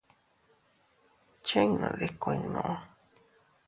¿Chinnud ikuinnu?